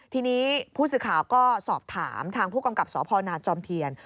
ทีนี้ผู้สื่อข่าวก็สอบถามทางผู้กำกับสพนาจอมเทียน